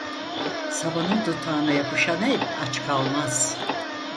Sabanın tutağına yapışan el aç kalmaz.